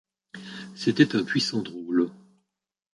C’était un puissant drôle.